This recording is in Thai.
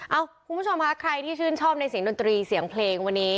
คุณผู้ชมค่ะใครที่ชื่นชอบในเสียงดนตรีเสียงเพลงวันนี้